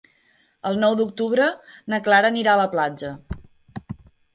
El nou d'octubre na Clara anirà a la platja.